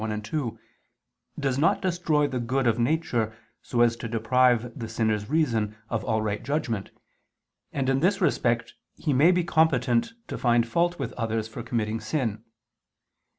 1, 2), does not destroy the good of nature so as to deprive the sinner's reason of all right judgment, and in this respect he may be competent to find fault with others for committing sin.